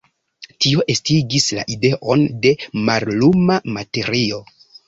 Tio estigis la ideon de malluma materio.